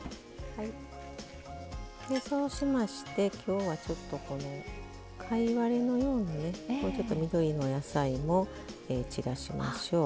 そうしまして今日はちょっと貝割れのようなね緑のお野菜も散らしましょう。